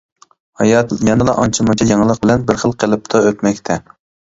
ھايات يەنىلا ئانچە-مۇنچە يېڭىلىق بىلەن بىر خىل قېلىپتا ئۆتمەكتە.